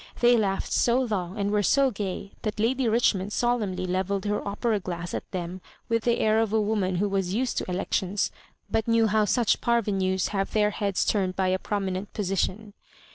They Jitughed so long, and were so gay, that Lady Richmond solenmly levelled her opera glass at them with the air of a woman who was used to elections, but knew how such parvenus have their heads turned by a promi nent position.